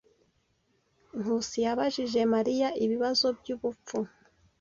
Nkusi yabajije Mariya ibibazo byubupfu.